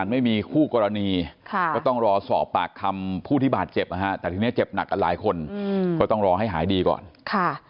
แล้วก็เจ็บเยอะครับเจ็บเยอะ